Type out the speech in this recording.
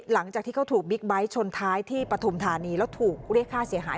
หลังจากที่เขาถูกบิ๊กไบท์ชนท้ายที่ปฐุมธานีแล้วถูกเรียกค่าเสียหาย